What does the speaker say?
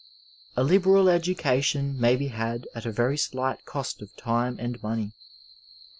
A LIBERAL edacation may be had at a very slight cost of time and money.